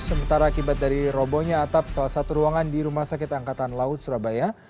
sementara akibat dari robohnya atap salah satu ruangan di rumah sakit angkatan laut surabaya